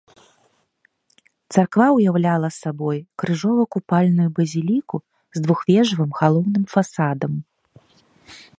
Царква уяўляла сабой крыжова-купальную базіліку з двухвежавым галоўным фасадам.